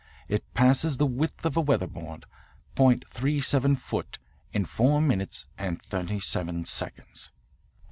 It passes the width of a weatherboard, 0.37 foot, in four minutes and thirty seven seconds."